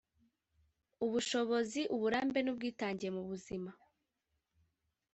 Ubushobozi uburambe n ubwitange mu buzima